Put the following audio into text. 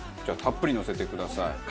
じゃあたっぷりのせてください。